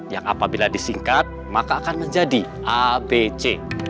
yang apabila disingkat maka akan menjadi abc